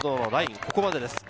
ここまでです。